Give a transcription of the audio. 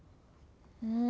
うん。